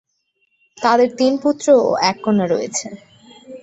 তাদের তিন পুত্র ও এক কন্যা রয়েছে।